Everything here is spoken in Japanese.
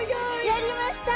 やりました！